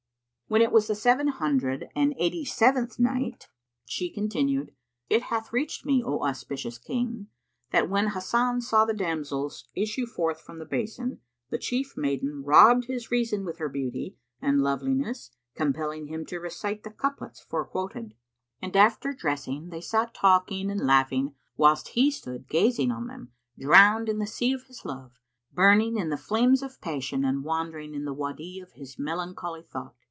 When it was the Seven Hundred and Eighty seventh Night, She continued, It hath reached me, O auspicious King, that when Hasan saw the damsels issue forth the basin, the chief maiden robbed his reason with her beauty and loveliness compelling him to recite the couplets forequoted. And after dressing they sat talking and laughing, whilst he stood gazing on them, drowned in the sea of his love, burning in the flames of passion and wandering in the Wady of his melancholy thought.